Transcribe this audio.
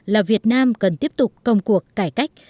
là việt nam cần tiếp tục công cuộc cải cách